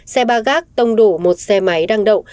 xe ba gác tông đổ một xe máy đang đậu